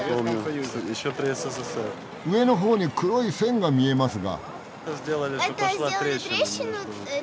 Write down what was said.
上の方に黒い線が見えますが。